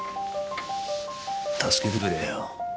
助けてくれよ。